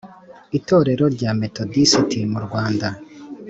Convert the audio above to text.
Itorero rya Metodisiti mu Rwanda